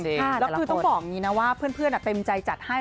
แล้วคือต้องบอกว่าเพื่อนเต็มใจจัดให้